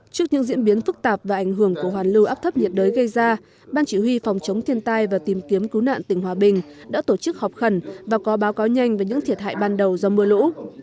trước những diễn biến phức tạp và ảnh hưởng của hoàn lưu áp thấp nhiệt đới gây ra ban chỉ huy phòng chống thiên tai và tìm kiếm cứu nạn tỉnh hòa bình đã tổ chức họp khẩn và có báo cáo nhanh về những thiệt hại ban đầu do mưa lũ